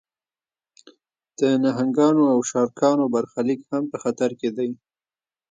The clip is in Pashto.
د نهنګانو او شارکانو برخلیک هم په خطر کې دی.